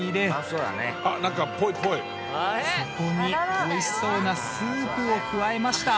そこに美味しそうなスープを加えました。